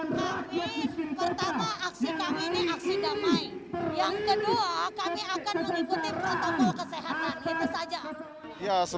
yang kedua kami akan mengikuti protokol kesehatan itu saja